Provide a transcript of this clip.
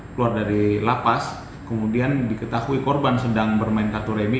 keluar dari lapas kemudian diketahui korban sedang bermain kartu remi